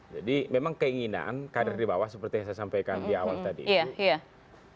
jadi memang keinginan kader di bawah seperti yang saya sampaikan di awal tadi itu